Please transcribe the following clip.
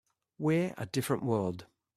We're a different world.